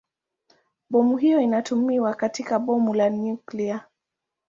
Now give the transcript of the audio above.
Mbinu hiyo inatumiwa katika bomu la nyuklia.